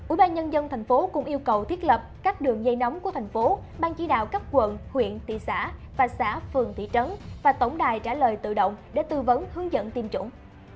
ủy ban nhân dân thành phố cũng yêu cầu thiết lập các đường dây nóng của thành phố ban chỉ đạo các quận huyện thị xã và xã phường tỷ trấn và tổng đài trả lời tự động để tư vấn hướng dẫn tiêm chủng